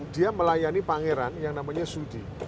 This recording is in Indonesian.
dia melayani pangeran yang namanya sudi